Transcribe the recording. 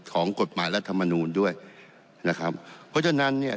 ของกฎหมายรัฐมนูลด้วยนะครับเพราะฉะนั้นเนี่ย